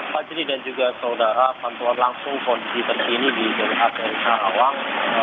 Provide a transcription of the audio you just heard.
pak juri dan juga saudara bantuan langsung kondisi terkini di jawa barat arteri karawang